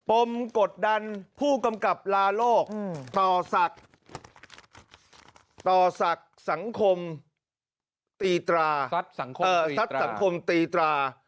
ปมกดดันผู้กำกับลาโลกต่อสักสังคมตีตรา